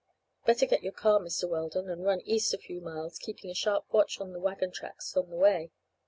Better get your car, Mr. Weldon, and run east a few miles, keeping sharp watch of the wagon tracks on the way.